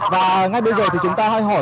và ngay bây giờ thì chúng ta hãy hỏi